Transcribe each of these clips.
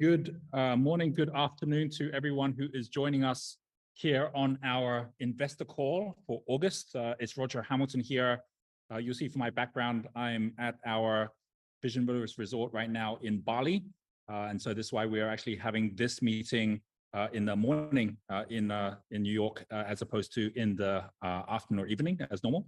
Good morning, good afternoon to everyone who is joining us here on our investor call for August. It's Roger Hamilton here. You'll see from my background, I'm at our Vision Villa Resort right now in Bali. That's why we are actually having this meeting in the morning in New York, as opposed to in the afternoon or evening, as normal.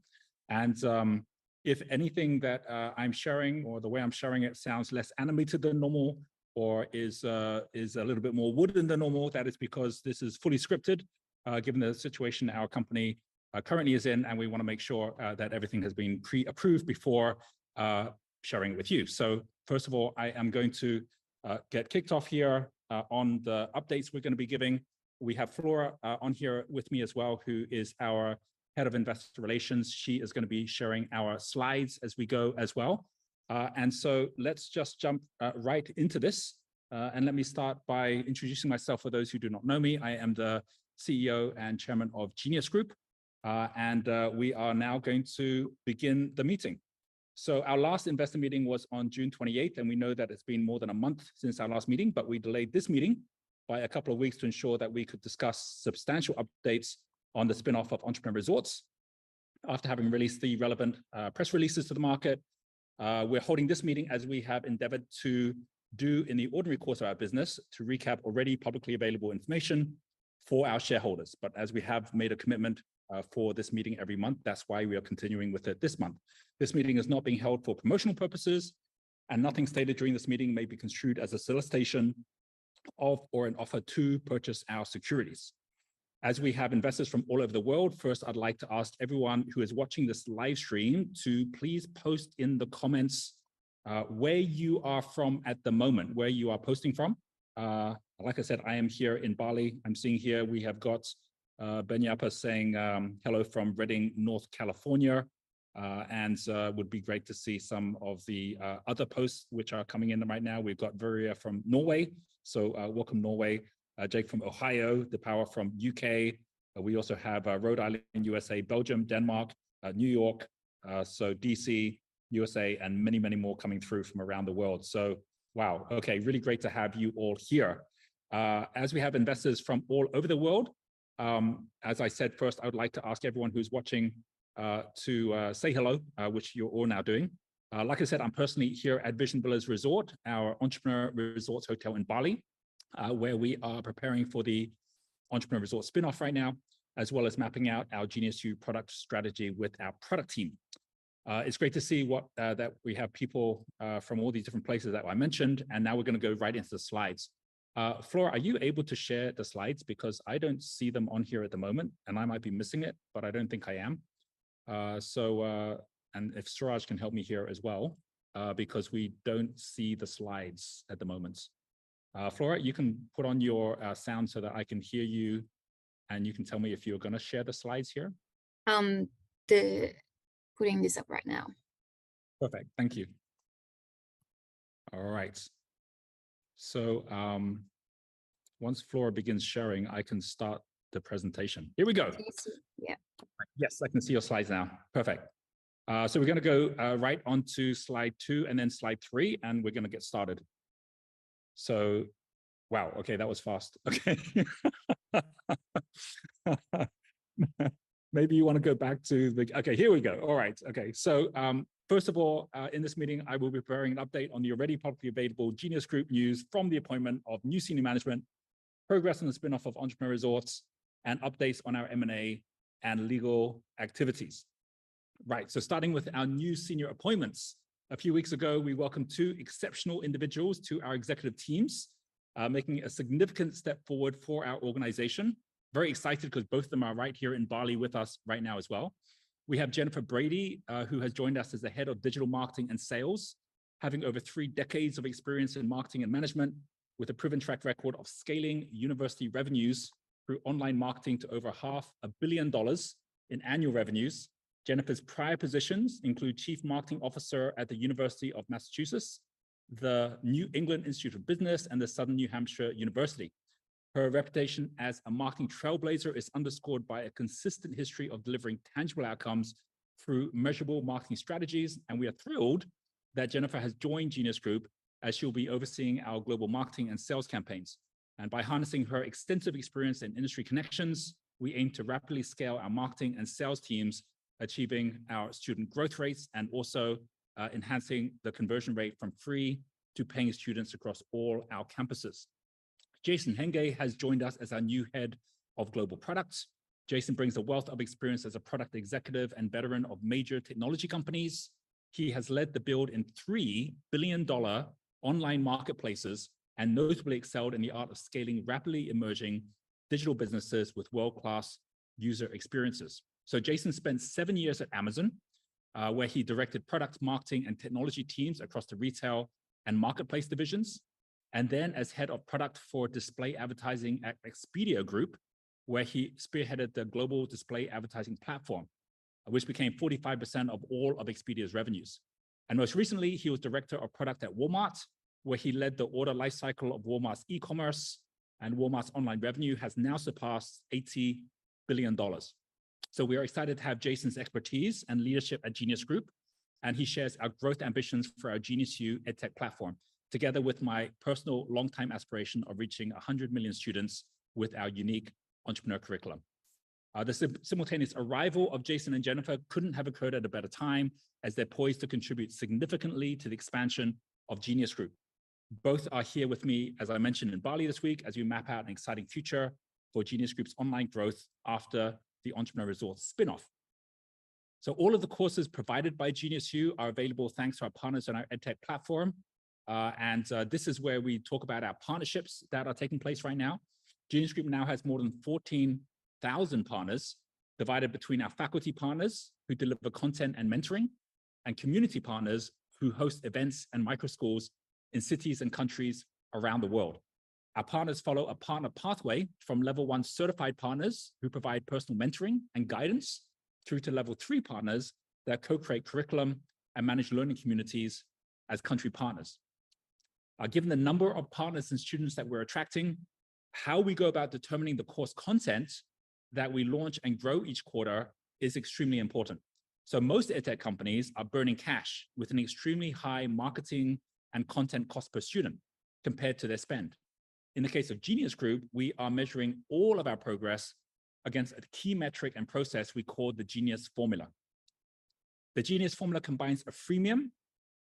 If anything that I'm sharing or the way I'm sharing it sounds less animated than normal, or is a little bit more wooden than normal, that is because this is fully scripted, given the situation our company currently is in, and we wanna make sure that everything has been pre-approved before sharing it with you. First of all, I am going to get kicked off here on the updates we're gonna be giving. We have Flora on here with me as well, who is our head of investor relations. She is gonna be sharing our slides as we go as well. Let's just jump right into this. Let me start by introducing myself. For those who do not know me, I am the CEO and chairman of Genius Group, and we are now going to begin the meeting. Our last investor meeting was on June 28th, and we know that it's been more than a month since our last meeting, but we delayed this meeting by a couple of weeks to ensure that we could discuss substantial updates on the spin-off of Entrepreneur Resorts. After having released the relevant press releases to the market, we're holding this meeting as we have endeavored to do in the ordinary course of our business, to recap already publicly available information for our shareholders. As we have made a commitment for this meeting every month, that's why we are continuing with it this month. This meeting is not being held for promotional purposes, and nothing stated during this meeting may be construed as a solicitation of or an offer to purchase our securities. As we have investors from all over the world, first, I'd like to ask everyone who is watching this live stream to please post in the comments, where you are from at the moment, where you are posting from. Like I said, I am here in Bali. I'm seeing here we have got Benyapa saying, "Hello from Redding, Northern California." It would be great to see some of the other posts which are coming in right now. We've got Veria from Norway, welcome, Norway. Jake from Ohio, The Power from UK, we also have Rhode Island, USA, Belgium, Denmark, New York, D.C., USA, and many, many more coming through from around the world. Wow, okay, really great to have you all here. As we have investors from all over the world, as I said, first, I would like to ask everyone who's watching to say hello, which you're all now doing. Like I said, I'm personally here at Vision Villa Resort, our Entrepreneur Resorts hotel in Bali, where we are preparing for the Entrepreneur Resorts spin-off right now, as well as mapping out our GeniusU product strategy with our product team. It's great to see that we have people from all these different places that I mentioned, now we're gonna go right into the slides. Flora, are you able to share the slides? Because I don't see them on here at the moment, and I might be missing it, but I don't think I am. If Suraj can help me here as well, because we don't see the slides at the moment. Flora, you can put on your sound so that I can hear you, and you can tell me if you're gonna share the slides here. They're putting this up right now. Perfect. Thank you. All right. Once Flora begins sharing, I can start the presentation. Here we go. Can you see? Yeah. Yes, I can see your slides now. Perfect. We're gonna go right onto slide two, and then slide three, and we're gonna get started. Wow, okay, that was fast. Okay. Maybe you wanna go back. Okay, here we go. All right. Okay. First of all, in this meeting, I will be providing an update on the already publicly available Genius Group news from the appointment of new senior management, progress on the spin-off of Entrepreneur Resorts, and updates on our M&A and legal activities. Right, starting with our new senior appointments, a few weeks ago, we welcomed two exceptional individuals to our executive teams, making a significant step forward for our organization. Very excited, 'cause both of them are right here in Bali with us right now as well. We have Jennifer Brady, who has joined us as the head of digital marketing and sales, having over three decades of experience in marketing and management, with a proven track record of scaling university revenues through online marketing to over $500 million in annual revenues. Jennifer's prior positions include chief marketing officer at the University of Massachusetts, the New England Institute of Business, and the Southern New Hampshire University. Her reputation as a marketing trailblazer is underscored by a consistent history of delivering tangible outcomes through measurable marketing strategies. We are thrilled that Jennifer has joined Genius Group, as she'll be overseeing our global marketing and sales campaigns. By harnessing her extensive experience and industry connections, we aim to rapidly scale our marketing and sales teams, achieving our student growth rates, and also enhancing the conversion rate from free to paying students across all our campuses. Jason Jiang has joined us as our new head of global products. Jason brings a wealth of experience as a product executive and veteran of major technology companies. He has led the build in 3 billion-dollar online marketplaces, and notably excelled in the art of scaling rapidly emerging digital businesses with world-class user experiences. Jason spent 7 years at Amazon, where he directed product marketing and technology teams across the retail and marketplace divisions, and then as head of product for display advertising at Expedia Group, where he spearheaded the global display advertising platform, which became 45% of all of Expedia's revenues. Most recently, he was director of product at Walmart, where he led the order life cycle of Walmart's e-commerce, and Walmart's online revenue has now surpassed $80 billion. We are excited to have Jason's expertise and leadership at Genius Group, and he shares our growth ambitions for our GeniusU edtech platform, together with my personal long-time aspiration of reaching 100 million students with our unique entrepreneur curriculum. The simultaneous arrival of Jason and Jennifer couldn't have occurred at a better time, as they're poised to contribute significantly to the expansion of Genius Group. Both are here with me, as I mentioned, in Bali this week, as we map out an exciting future for Genius Group's online growth after the Entrepreneur Resorts spin-off. All of the courses provided by GeniusU are available thanks to our partners on our edtech platform. This is where we talk about our partnerships that are taking place right now. Genius Group now has more than 14,000 partners, divided between our faculty partners, who deliver content and mentoring, and community partners, who host events and micro schools in cities and countries around the world. Our partners follow a partner pathway from level 1 certified partners, who provide personal mentoring and guidance, through to level 3 partners that co-create curriculum and manage learning communities as country partners. Given the number of partners and students that we're attracting, how we go about determining the course content that we launch and grow each quarter is extremely important. Most EdTech companies are burning cash with an extremely high marketing and content cost per student compared to their spend. In the case of Genius Group, we are measuring all of our progress against a key metric and process we call the Genius Formula. The Genius Formula combines a freemium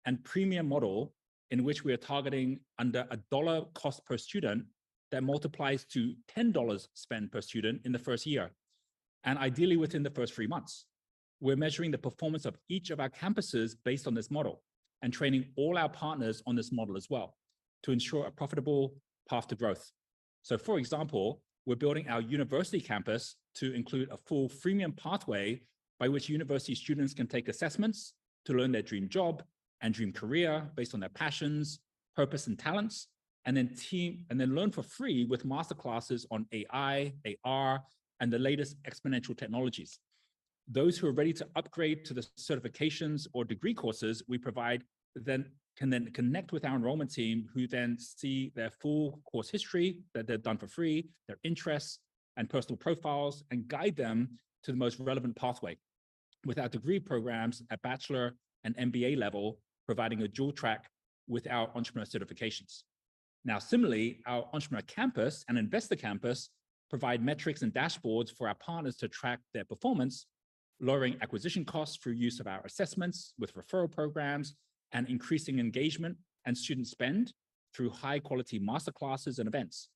and premium model, in which we are targeting under $1 cost per student that multiplies to $10 spent per student in the 1st year, and ideally within the 1st 3 months. We're measuring the performance of each of our campuses based on this model, and training all our partners on this model as well to ensure a profitable path to growth. For example, we're building our university campus to include a full freemium pathway by which university students can take assessments to learn their dream job and dream career based on their passions, purpose, and talents, then learn for free with master classes on AI, AR, and the latest exponential technologies. Those who are ready to upgrade to the certifications or degree courses we provide, then, can then connect with our enrollment team, who then see their full course history that they've done for free, their interests and personal profiles, and guide them to the most relevant pathway with our degree programs at bachelor and MBA level, providing a dual track with our entrepreneur certifications. Now, similarly, our entrepreneur campus and investor campus provide metrics and dashboards for our partners to track their performance, lowering acquisition costs through use of our assessments with referral programs, and increasing engagement and student spend through high-quality master classes and events.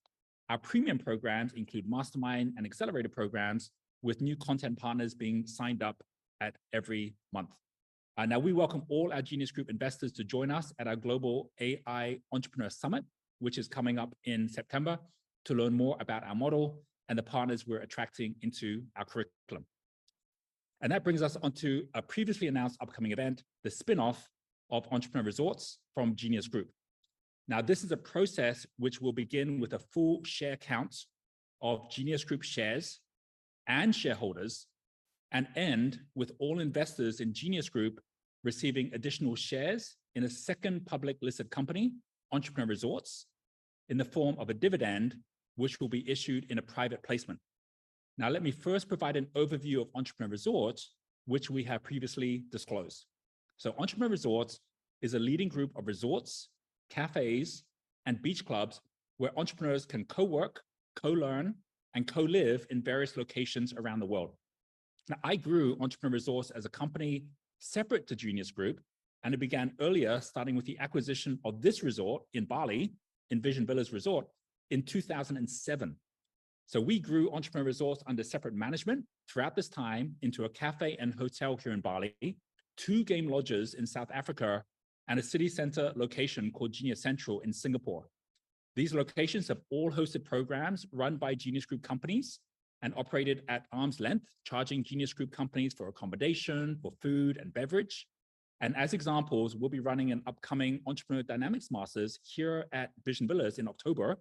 Our premium programs include mastermind and accelerator programs, with new content partners being signed up at every month. We welcome all our Genius Group investors to join us at our Global AI Entrepreneur Summit, which is coming up in September, to learn more about our model and the partners we're attracting into our curriculum. That brings us onto a previously announced upcoming event, the spin-off of Entrepreneur Resorts from Genius Group. This is a process which will begin with a full share count of Genius Group shares and shareholders, and end with all investors in Genius Group receiving additional shares in a second public listed company, Entrepreneur Resorts, in the form of a dividend, which will be issued in a private placement. Let me first provide an overview of Entrepreneur Resorts, which we have previously disclosed. Entrepreneur Resorts is a leading group of resorts, cafes, and beach clubs where entrepreneurs can co-work, co-learn, and co-live in various locations around the world. I grew Entrepreneur Resorts as a company separate to Genius Group. It began earlier, starting with the acquisition of this resort in Bali, Vision Villa Resorts, in 2007. We grew Entrepreneur Resorts under separate management throughout this time into a cafe and hotel here in Bali, 2 game lodges in South Africa, and a city center location called Genius Central in Singapore. These locations have all hosted programs run by Genius Group companies and operated at arm's length, charging Genius Group companies for accommodation, for food and beverage. As examples, we'll be running an upcoming Entrepreneur Dynamics Masters here at Vision Villas in October,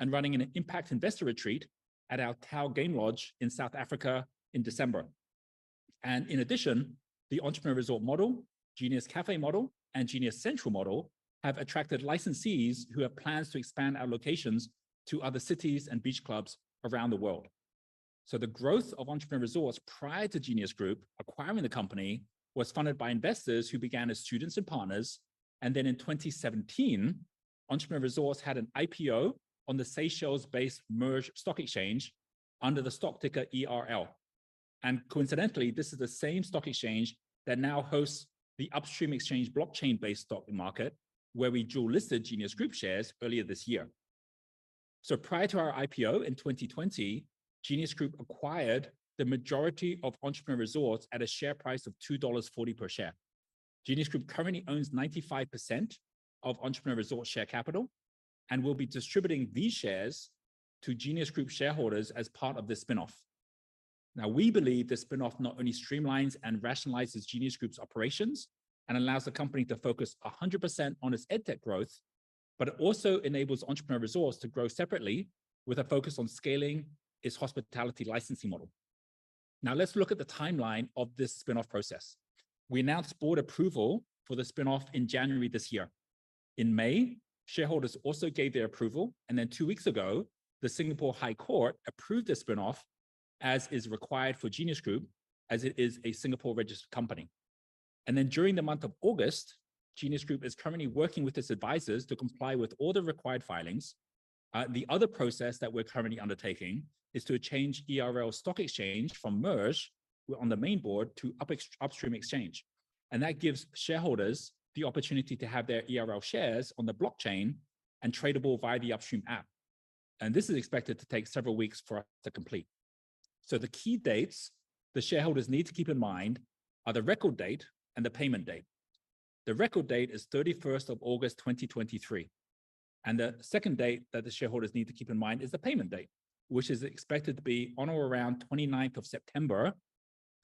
and running an Impact Investor Retreat at our Tau Game Lodge in South Africa in December. In addition, the Entrepreneur Resorts model, Genius Cafe model, and Genius Central model have attracted licensees who have plans to expand our locations to other cities and beach clubs around the world. The growth of Entrepreneur Resorts prior to Genius Group acquiring the company was funded by investors who began as students and partners, and then in 2017, Entrepreneur Resorts had an IPO on the Seychelles-based MERJ Exchange under the stock ticker ERL. And coincidentally, this is the same stock exchange that now hosts the Upstream exchange, blockchain-based stock market, where we dual-listed Genius Group shares earlier this year. Prior to our IPO in 2020, Genius Group acquired the majority of Entrepreneur Resorts at a share price of $2.40 per share. Genius Group currently owns 95% of Entrepreneur Resorts' share capital and will be distributing these shares to Genius Group shareholders as part of the spin-off. We believe the spin-off not only streamlines and rationalizes Genius Group's operations and allows the company to focus 100% on its edtech growth, but it also enables Entrepreneur Resorts to grow separately with a focus on scaling its hospitality licensing model. Let's look at the timeline of this spin-off process. We announced board approval for the spin-off in January this year. In May, shareholders also gave their approval, and then two weeks ago, the Singapore High Court approved the spin-off, as is required for Genius Group, as it is a Singapore-registered company. During the month of August, Genius Group is currently working with its advisors to comply with all the required filings. The other process that we're currently undertaking is to change ERL's stock exchange from MERJ on the main board to Upstream Exchange. That gives shareholders the opportunity to have their ERL shares on the blockchain and tradable via the Upstream app. This is expected to take several weeks for us to complete. The key dates the shareholders need to keep in mind are the record date and the payment date. The record date is 31st of August, 2023, and the second date that the shareholders need to keep in mind is the payment date, which is expected to be on or around 29th of September,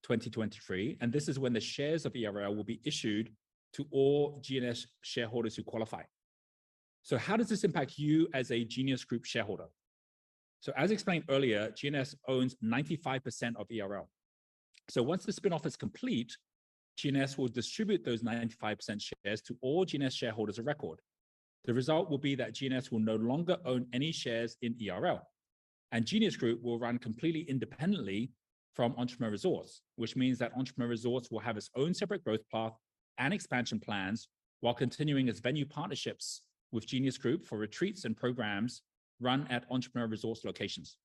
2023, and this is when the shares of ERL will be issued to all GNS shareholders who qualify. How does this impact you as a Genius Group shareholder? As explained earlier, GNS owns 95% of ERL. Once the spin-off is complete, GNS will distribute those 95% shares to all GNS shareholders of record. The result will be that GNS will no longer own any shares in ERL, and Genius Group will run completely independently from Entrepreneur Resorts, which means that Entrepreneur Resorts will have its own separate growth path and expansion plans while continuing its venue partnerships with Genius Group for retreats and programs run at Entrepreneur Resorts locations.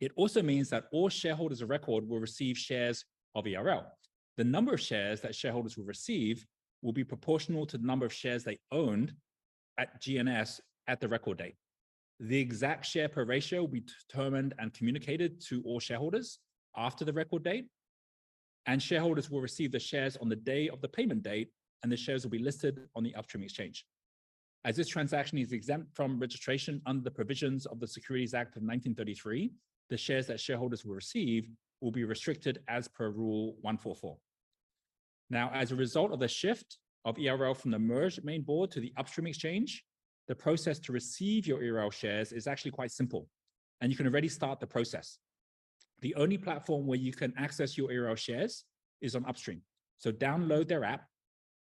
It also means that all shareholders of record will receive shares of ERL. The number of shares that shareholders will receive will be proportional to the number of shares they owned at GNS at the record date. The exact share per ratio will be determined and communicated to all shareholders after the record date, and shareholders will receive the shares on the day of the payment date, and the shares will be listed on the Upstream Exchange. As this transaction is exempt from registration under the provisions of the Securities Act of 1933, the shares that shareholders will receive will be restricted as per Rule 144. As a result of the shift of ERL from the MERJ main board to the Upstream Exchange, the process to receive your ERL shares is actually quite simple, and you can already start the process. The only platform where you can access your ERL shares is on Upstream. Download their app,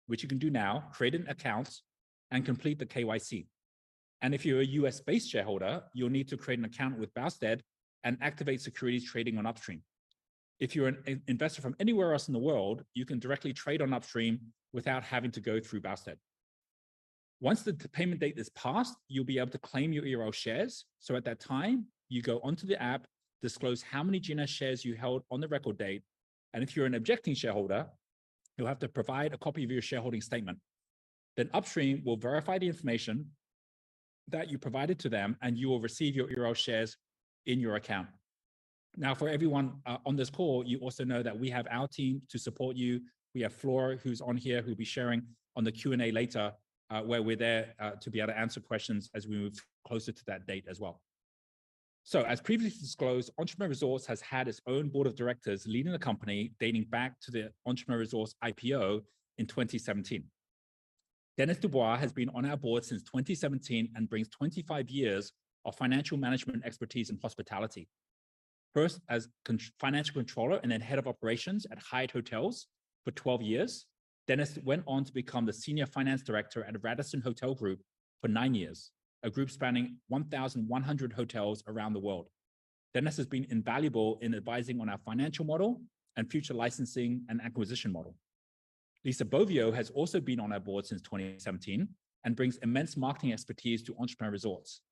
which you can do now, create an account, and complete the KYC. If you're a U.S.-based shareholder, you'll need to create an account with Broadridge and activate securities trading on Upstream. If you're an investor from anywhere else in the world, you can directly trade on Upstream without having to go through Broadridge. Once the payment date has passed, you'll be able to claim your ERL shares. At that time, you go onto the app, disclose how many GNS shares you held on the record date, and if you're an objecting shareholder, you'll have to provide a copy of your shareholding statement. Upstream will verify the information that you provided to them, and you will receive your ERL shares in your account. For everyone on this call, you also know that we have our team to support you. We have Flora, who's on here, who'll be sharing on the Q&A later, where we're there to be able to answer questions as we move closer to that date as well. As previously disclosed, Entrepreneur Resorts has had its own board of directors leading the company, dating back to the Entrepreneur Resorts IPO in 2017. Denis Dubois has been on our board since 2017 and brings 25 years of financial management expertise in hospitality. First, as financial controller and then head of operations at Hyatt Hotels for 12 years. Dennis went on to become the senior finance director at Radisson Hotel Group for 9 years, a group spanning 1,100 hotels around the world. Dennis has been invaluable in advising on our financial model and future licensing and acquisition model. Lisa Bovio has also been on our board since 2017 and brings immense marketing expertise to Entrepreneur Resorts.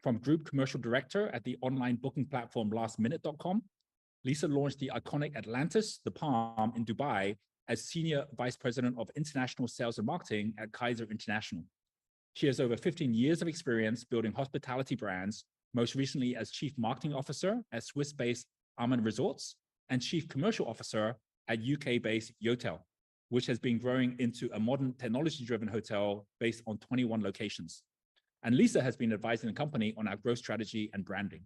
From group commercial director at the online booking platform lastminute.com, Lisa launched the iconic Atlantis, The Palm in Dubai as senior vice president of international sales and marketing at Kerzner International. She has over 15 years of experience building hospitality brands, most recently as chief marketing officer at Swiss-based Aman Resorts and chief commercial officer at U.K.-based Yotel, which has been growing into a modern, technology-driven hotel based on 21 locations. Lisa has been advising the company on our growth strategy and branding.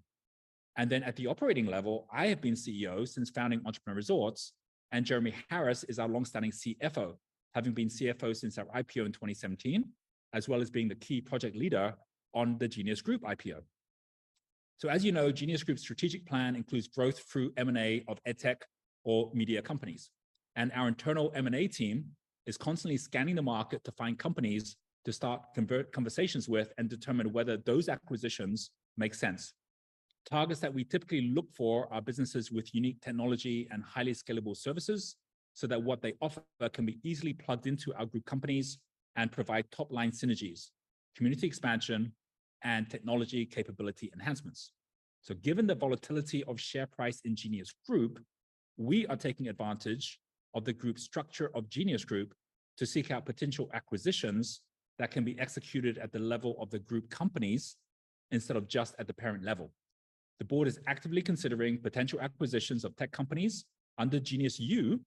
Then at the operating level, I have been CEO since founding Entrepreneur Resorts, and Jeremy Harris is our long-standing CFO, having been CFO since our IPO in 2017, as well as being the key project leader on the Genius Group IPO. As you know, Genius Group's strategic plan includes growth through M&A of EdTech or media companies, and our internal M&A team is constantly scanning the market to find companies to start conversations with and determine whether those acquisitions make sense. Targets that we typically look for are businesses with unique technology and highly scalable services, so that what they offer can be easily plugged into our group companies and provide top-line synergies, community expansion, and technology capability enhancements. Given the volatility of share price in Genius Group, we are taking advantage of the group structure of Genius Group to seek out potential acquisitions that can be executed at the level of the group companies, instead of just at the parent level. The board is actively considering potential acquisitions of tech companies under GeniusU,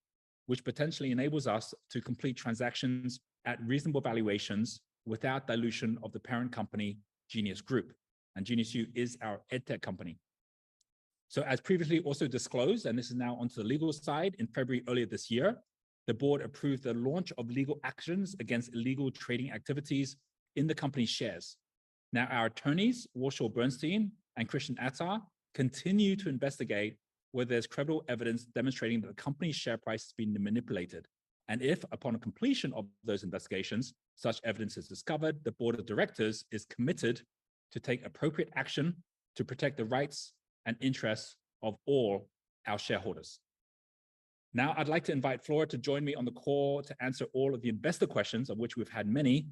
which potentially enables us to complete transactions at reasonable valuations without dilution of the parent company, Genius Group, and GeniusU is our EdTech company. As previously also disclosed, and this is now onto the legal side, in February, earlier this year, the board approved the launch of legal actions against illegal trading activities in the company's shares. Now, our attorneys, Warshaw Burstein, and Christian Attar, continue to investigate whether there's credible evidence demonstrating that the company's share price has been manipulated. If, upon completion of those investigations, such evidence is discovered, the board of directors is committed to take appropriate action to protect the rights and interests of all our shareholders. Now, I'd like to invite Flore to join me on the call to answer all of the investor questions, of which we've had many,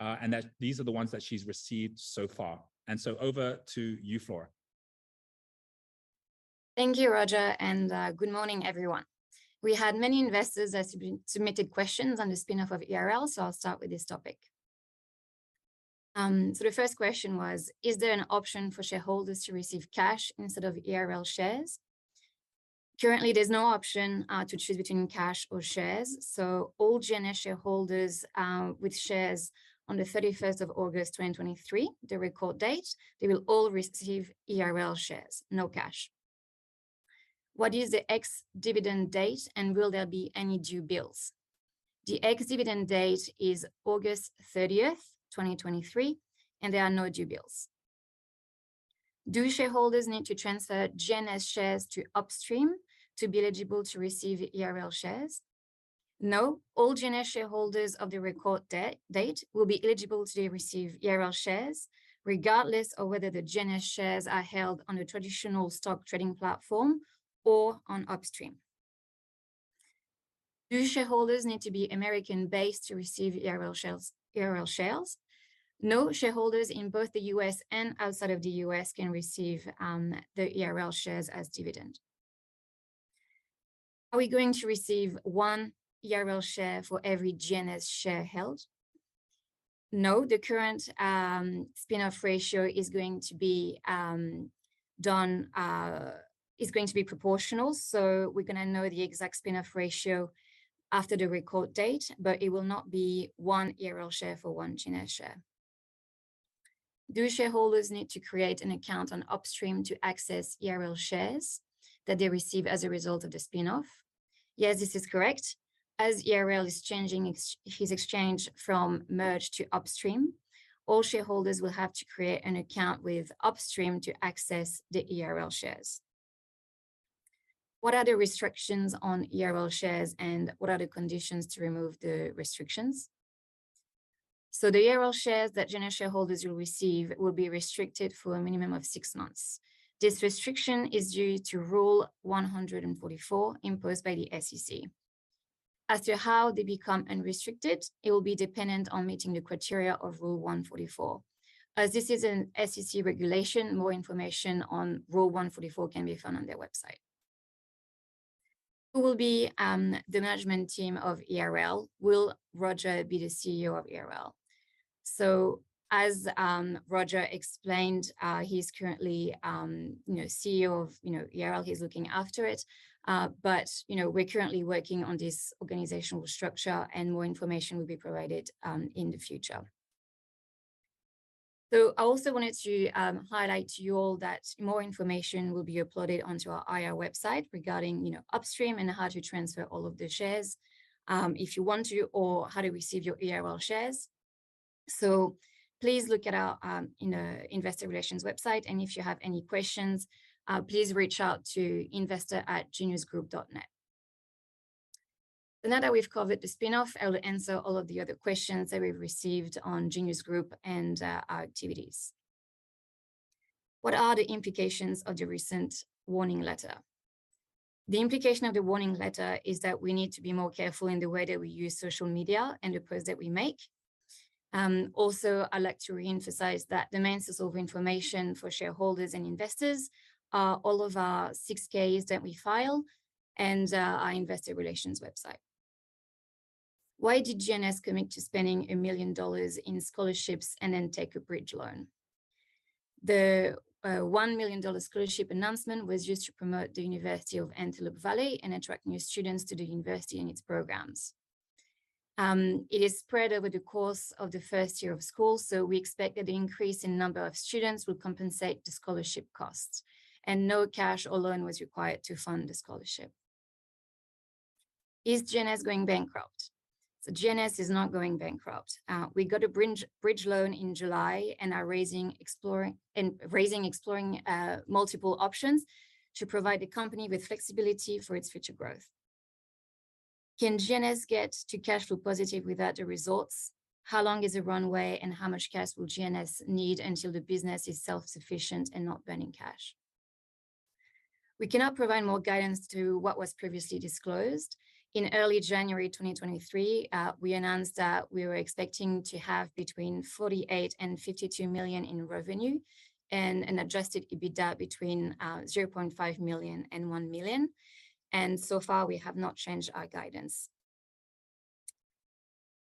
and that these are the ones that she's received so far. So over to you, Flore. Thank you, Roger, good morning, everyone. We had many investors that submitted questions on the spin-off of ERL, so I'll start with this topic. The first question was: Is there an option for shareholders to receive cash instead of ERL shares? Currently, there's no option to choose between cash or shares, so all GNS shareholders with shares on the 31st of August, 2023, the record date, they will all receive ERL shares, no cash. What is the ex-dividend date, and will there be any due bills? The ex-dividend date is August 30th, 2023, and there are no due bills. Do shareholders need to transfer GNS shares to Upstream to be eligible to receive ERL shares? No. All GNS shareholders of the record date will be eligible to receive ERL shares, regardless of whether the GNS shares are held on a traditional stock trading platform or on Upstream. Do shareholders need to be American-based to receive ERL shares, ERL shares? No, shareholders in both the US and outside of the US can receive the ERL shares as dividend. Are we going to receive 1 ERL share for every GNS share held? No, the current spin-off ratio is going to be done is going to be proportional, so we're gonna know the exact spin-off ratio after the record date, but it will not be 1 ERL share for 1 GNS share. Do shareholders need to create an account on Upstream to access ERL shares that they receive as a result of the spin-off? Yes, this is correct. ERL is changing its exchange from MERJ to Upstream, all shareholders will have to create an account with Upstream to access the ERL shares. What are the restrictions on ERL shares, and what are the conditions to remove the restrictions? The ERL shares that GNS shareholders will receive will be restricted for a minimum of 6 months. This restriction is due to Rule 144, imposed by the SEC. As to how they become unrestricted, it will be dependent on meeting the criteria of Rule 144. As this is an SEC regulation, more information on Rule 144 can be found on their website. Who will be the management team of ERL? Will Roger be the CEO of ERL? As Roger explained, he's currently, you know, CEO of, you know, ERL. He's looking after it, you know, we're currently working on this organizational structure, and more information will be provided in the future. I also wanted to highlight to you all that more information will be uploaded onto our IR website regarding, you know, Upstream and how to transfer all of the shares, if you want to, or how to receive your ERL shares. Please look at our, you know, investor relations website, and if you have any questions, please reach out to investor@geniusgroup.net. Now that we've covered the spin-off, I will answer all of the other questions that we've received on Genius Group and our activities. What are the implications of the recent warning letter? The implication of the warning letter is that we need to be more careful in the way that we use social media and the posts that we make. Also, I'd like to reemphasize that the main source of information for shareholders and investors are all of our 6-Ks that we file and our investor relations website. Why did GNS commit to spending $1 million in scholarships and then take a bridge loan? The $1 million scholarship announcement was used to promote the University of Antelope Valley and attract new students to the university and its programs. It is spread over the course of the first year of school, so we expect that the increase in number of students will compensate the scholarship costs, and no cash or loan was required to fund the scholarship. Is GNS going bankrupt? GNS is not going bankrupt. We got a bridge loan in July and are raising, exploring multiple options to provide the company with flexibility for its future growth. Can GNS get to cash flow positive without the results? How long is the runway, and how much cash will GNS need until the business is self-sufficient and not burning cash? We cannot provide more guidance to what was previously disclosed. In early January 2023, we announced that we were expecting to have between $48 million and $52 million in revenue and an adjusted EBITDA between $0.5 million and $1 million, and so far, we have not changed our guidance.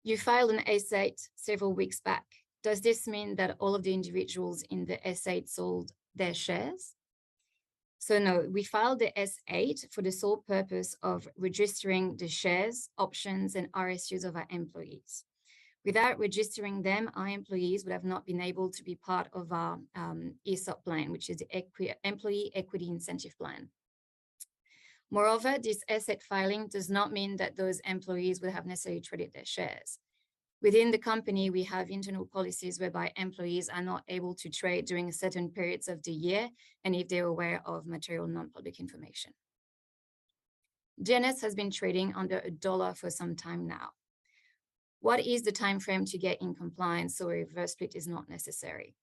You filed an S-8 several weeks back. Does this mean that all of the individuals in the S-8 sold their shares? No, we filed the S-8 for the sole purpose of registering the shares, options, and RSUs of our employees. Without registering them, our employees would have not been able to be part of our ESOP plan, which is Employee Equity Incentive Plan. Moreover, this asset filing does not mean that those employees will have necessarily traded their shares. Within the company, we have internal policies whereby employees are not able to trade during certain periods of the year and if they're aware of material, non-public information. "GNS has been trading under $1 for some time now. What is the timeframe to get in compliance so a reverse split is not necessary?"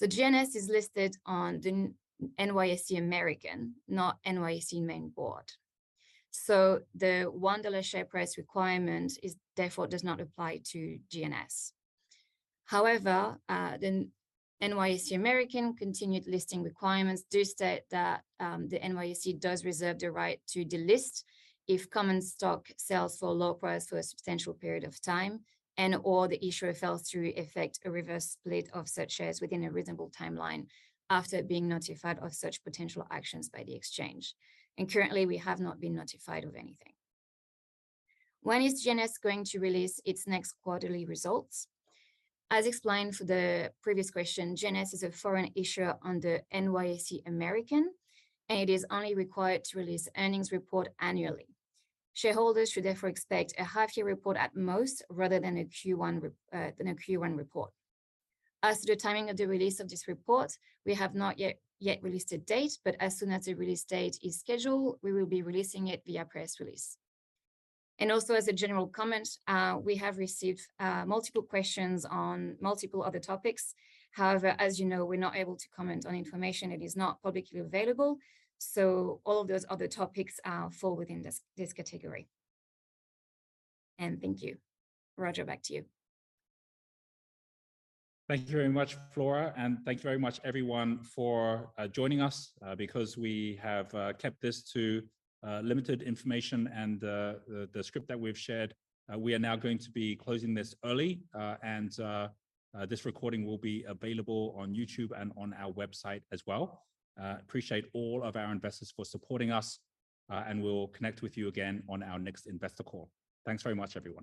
GNS is listed on the NYSE American, not NYSE main board. The $1 share price requirement is, therefore, does not apply to GNS. However, the NYSE American continued listing requirements do state that the NYSE does reserve the right to delist if common stock sells for a low price for a substantial period of time, and/or the issuer fails to effect a reverse split of such shares within a reasonable timeline after being notified of such potential actions by the exchange. Currently, we have not been notified of anything. "When is GNS going to release its next quarterly results?" As explained for the previous question, GNS is a foreign issuer on the NYSE American, and it is only required to release earnings report annually. Shareholders should therefore expect a half-year report at most, rather than a Q1 report. As to the timing of the release of this report, we have not yet released a date, as soon as the release date is scheduled, we will be releasing it via press release. Also, as a general comment, we have received multiple questions on multiple other topics. However, as you know, we're not able to comment on information that is not publicly available, all of those other topics fall within this category. Thank you. Roger, back to you. Thank you very much, Flora, and thank you very much everyone for joining us. Because we have kept this to limited information and the script that we've shared, we are now going to be closing this early. This recording will be available on YouTube and on our website as well. Appreciate all of our investors for supporting us, and we'll connect with you again on our next investor call. Thanks very much, everyone.